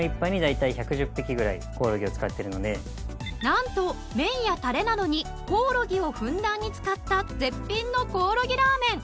なんと麺やタレなどにコオロギをふんだんに使った絶品のコオロギラーメン！